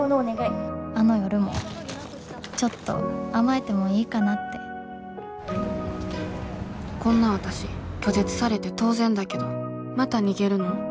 あの夜もちょっと甘えてもいいかなってこんなわたし拒絶されて当然だけどまた逃げるの？